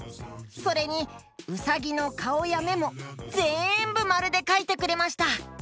それにうさぎのかおやめもぜんぶまるでかいてくれました。